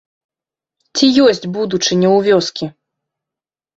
Ці ёсць будучыня ў вёскі?